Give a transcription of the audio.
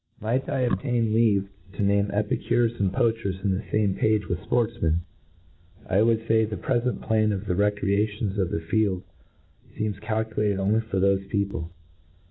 Might I obtain leave to name epi^cures and poacher^ in the fame page with fportfmeri, I would fay, the prefent plan 6f the recreations of the field feems calculated only for thofe people.